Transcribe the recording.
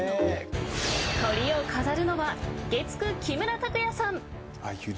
トリを飾るのは月９木村拓哉さん。